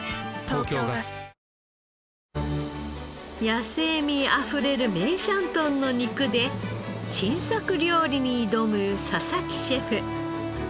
野性味あふれる梅山豚の肉で新作料理に挑む佐々木シェフ。